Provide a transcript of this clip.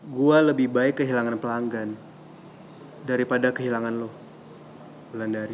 gue lebih baik kehilangan pelanggan daripada kehilangan lo wlendari